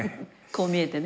こう見えて。